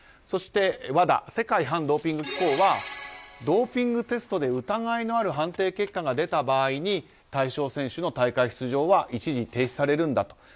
そして、ＷＡＤＡ世界反ドーピング機構はドーピングテストで疑いのある判定結果が出た場合に対象選手の大会出場は一時停止されるんだと。